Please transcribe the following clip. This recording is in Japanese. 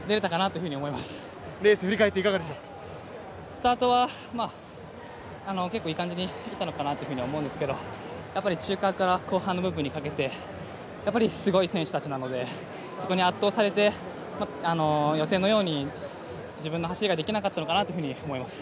スタートは結構いい感じにできたのかなと思うんですけどやっぱり中間から後半部分にかけてすごい選手たちなのでそこに圧倒されて予選のように自分の走りができなかったのかなと思います。